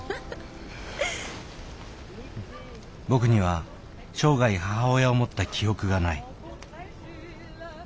僕には生涯母親を持った記憶がない。